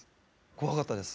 怖かったです。